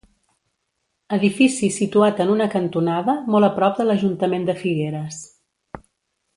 Edifici situat en una cantonada, molt a prop de l'Ajuntament de Figueres.